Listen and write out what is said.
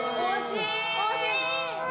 惜しい！